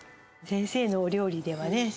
先生のお料理ではね